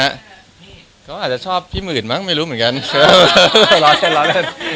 เขาก็อาจจะชอบพี่หมื่นมั้งไม่รู้เหมือนกัน